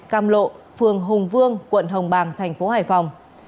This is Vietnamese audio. cam lộ phường hùng vương quận hồng bàng tp hải phòng